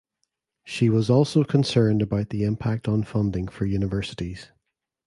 She was also concerned about the impact on funding for universities.